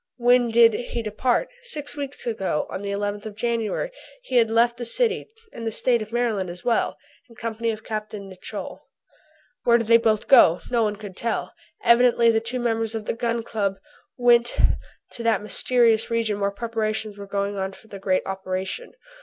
When did he depart? Six weeks ago, on the 11th of January, he had left the city, and the State of Maryland as well, in company with Capt. Nicholl. Where did they both go? Nobody could tell. Evidently the two members of the Gun Club went to that mysterious region where preparations were going on for the great operation.